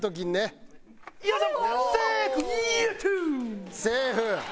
よいしょ！